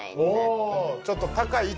おちょっと。